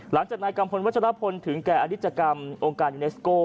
หลังจากนายกัมพลวัชรพลถึงแก่อนิจกรรมองค์การยูเนสโก้